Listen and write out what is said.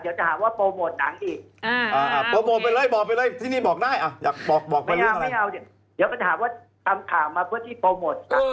แต่ตอนเราก็เอาเสร็จไม่มาแล้วเราจะทำอย่างไรก็ต้อง